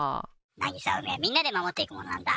なぎさ、海はみんなで守っていくものなんだ。